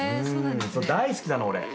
大好きなの俺。